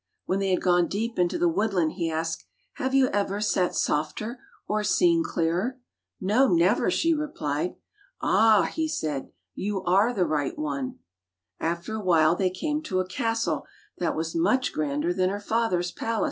When they had gone deep into the woodland he asked, "Have you ever sat softer or seen clearer?" "No, never," she replied. "Ah!" he said, "you are the right one." After a while they came to a castle that was much grander than her father's palace.